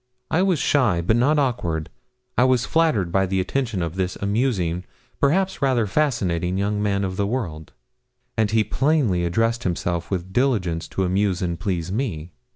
I was shy, but not awkward. I was flattered by the attention of this amusing, perhaps rather fascinating, young man of the world; and he plainly addressed himself with diligence to amuse and please me.